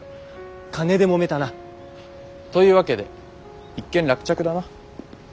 金でもめたな。というわけで一件落着だな。